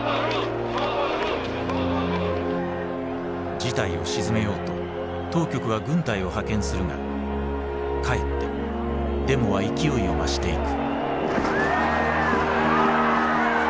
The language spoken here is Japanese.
事態を鎮めようと当局は軍隊を派遣するがかえってデモは勢いを増していく。